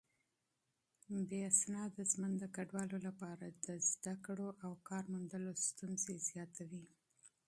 بې اسناده ژوند د کډوالو لپاره د زده کړو او کار موندلو ستونزې زياتوي.